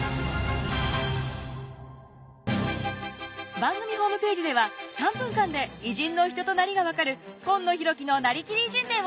番組ホームページでは３分間で偉人の人となりが分かる「今野浩喜のなりきり偉人伝」を公開中！